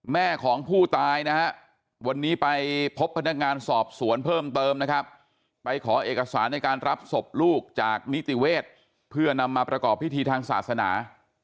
แม่ของผู้ตายนะฮะวันนี้ไปพบพนักงานสอบสวนเพิ่มเติมนะครับไปขอเอกสารในการรับศพลูกจากนิติเวศเพื่อนำมาประกอบพิธีทางศาสนา